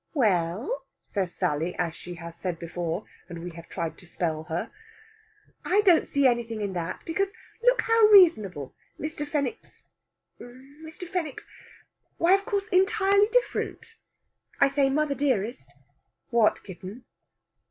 "We e ll," says Sally, as she has said before, and we have tried to spell her. "I don't see anything in that, because, look how reasonable! Mr. Fenwick's ... Mr. Fenwick's ... why, of course, entirely different. I say, mother dearest...." "What, kitten?"